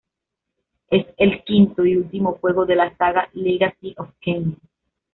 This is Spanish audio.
Es el quinto y último juego de la saga "Legacy of Kain".